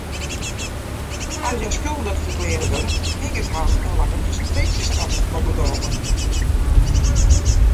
As hja skuldich ferklearre wurde, hinget harren in lange finzenisstraf boppe de holle.